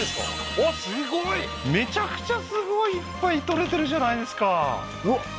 おっすごいめちゃくちゃすごいいっぱい採れてるじゃないですかうわ